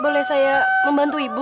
boleh saya membantu ibu